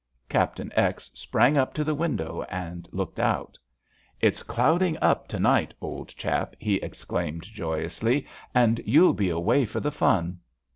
Captain X. sprang up to the window and looked out. "It's clouding up to night, old chap," he exclaimed joyously, "and you'll be away for the fun.